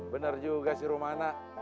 bener juga si rumana